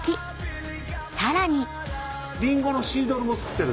［さらに］